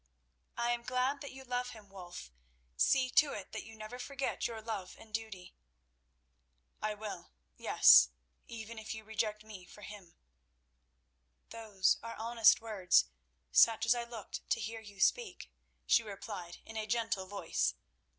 "I am glad that you love him, Wulf. See to it that you never forget your love and duty." "I will; yes—even if you reject me for him." "Those are honest words, such as I looked to hear you speak," she replied in a gentle voice.